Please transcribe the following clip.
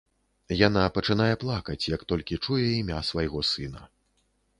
Яна пачынае плакаць, як толькі чуе імя свайго сына.